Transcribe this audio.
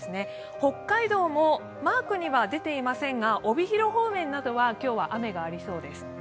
北海道もマークには出ていませんが帯広方面などは今日は雨がありそうです。